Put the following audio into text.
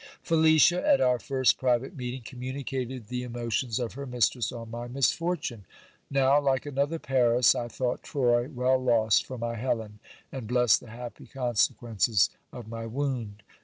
Felicia, at our first private meeting, communicated the emotions of her mis tress on my misfortune. Now, like another Paris, I thought Troy well lost for my Helen, and blessed the happy consequences of my wound.